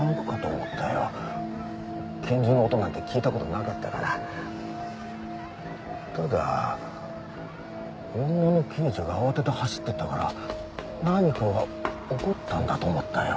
拳銃の音なんて聞いたことなかったからただ女の刑事が慌てて走ってったから何かが起こったんだと思ったよ